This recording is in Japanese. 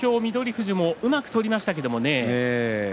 富士もうまく取りましたけどね。